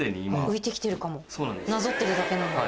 浮いて来てるかもなぞってるだけなのに。